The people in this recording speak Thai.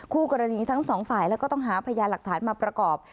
คู่กรณีทั้งสองฝ่ายแล้วก็ต้องหาพยานหลักฐานมาประกอบ